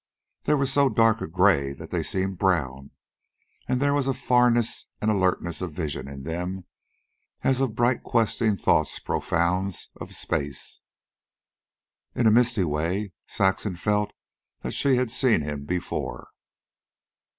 They were so dark a gray that they seemed brown, and there were a farness and alertness of vision in them as of bright questing through profounds of space. In a misty way Saxon felt that she had seen him before.